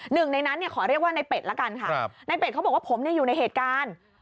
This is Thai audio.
หนึ่งในนั้นขอเรียกว่าในเป็ดละกันค่ะในเป็ดเขาบอกว่าผมอยู่ในเหตุการณ์